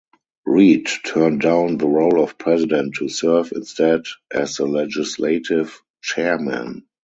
Reed turned down the role of president to serve instead as the legislative chairman.